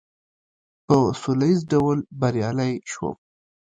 په سوله ایز ډول بریالی شوم.